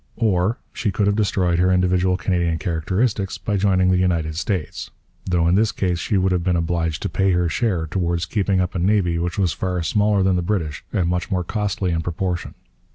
Or she could have destroyed her individual Canadian characteristics by joining the United States; though in this case she would have been obliged to pay her share towards keeping up a navy which was far smaller than the British and much more costly in proportion.